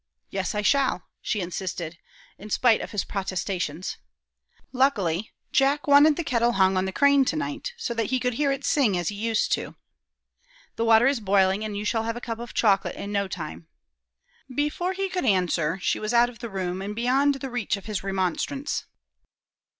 Yes, I shall," she insisted, in spite of his protestations. Luckily, Jack wanted the kettle hung on the crane to night, so that he could hear it sing as he used to. "The water is boiling, and you shall have a cup of chocolate in no time." Before he could answer, she was out of the room, and beyond the reach of his remonstrance.